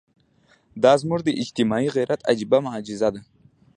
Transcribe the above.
دا زموږ د اجتماعي غیرت عجیبه معجزه ده.